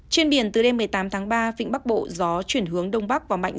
trên biển từ đêm một mươi tám tháng ba vịnh bắc bộ gió chuyển hướng đông bắc và mạnh